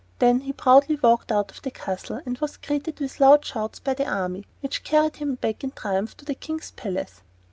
Then he proudly walked out of the castle and was greeted with loud shouts by the army, which carried him back in triumph to the King's palace.